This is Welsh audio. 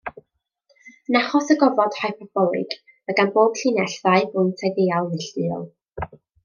Yn achos y gofod hyperbolig, mae gan bob llinell ddau bwynt ideal neilltuol.